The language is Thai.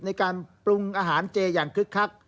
ในการปรุงอาหารเจอย่างคึกคัก